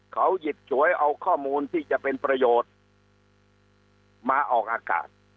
เขาหยิบฉวยเอาข้อมูลที่จะเป็นประโยชน์มาออกอากาศ